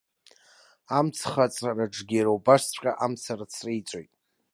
Амцхаҵараҿгьы иара убасҵәҟьа амца рыцреиҵоит.